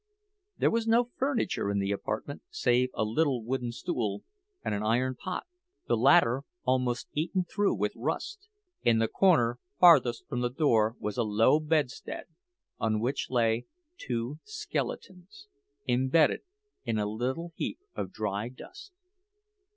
There was no furniture in the apartment save a little wooden stool and an iron pot, the latter almost eaten through with rust. In the corner farthest from the door was a low bedstead, on which lay two skeletons, embedded in a little heap of dry dust.